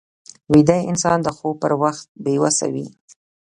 ویده انسان د خوب پر وخت بې وسه وي